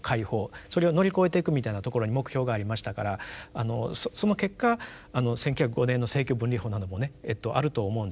それを乗り越えていくみたいなところに目標がありましたからその結果１９０５年の政教分離法などもねあると思うんですよね。